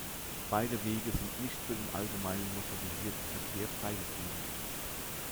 Beide Wege sind nicht für den allgemeinen motorisierten Verkehr freigegeben.